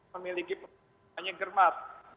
memiliki perkembangannya germas